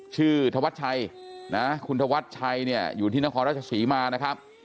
ธวัชชัยนะคุณธวัชชัยเนี่ยอยู่ที่นครราชศรีมานะครับ